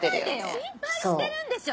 心配してるんでしょ！